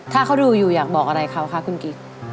ถ้าเขาดูอยู่อยากบอกอะไรเขาคะคุณกิ๊ก